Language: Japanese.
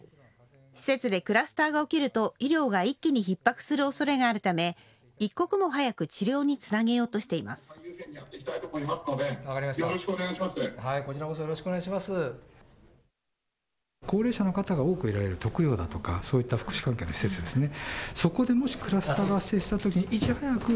施設でクラスターが起きると医療が一気にひっ迫するおそれがあるため一刻も早く治療につなげようとしています。